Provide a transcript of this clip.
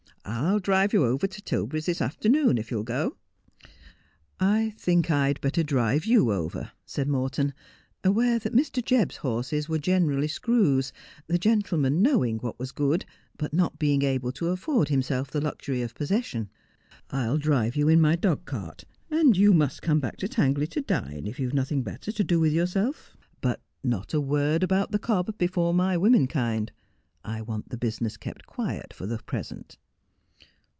I'll drive you over to Tilberry's this afternoon, if you'll go.' ' I think I'd better drive you over,' said Morton, aware that Mr. Jebb's horses were generally screws, the gentleman knowing what was good, but not being able to afford himself the luxury of possession. ' I'll drive you in my dog cart, and you must come back to Tangley to dine, if you have nothing better to do with yourself. But not a word about the cob before my women kind. I want the business kept quiet for the 1 >resent.'